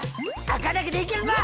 赤だけでいけるぞ！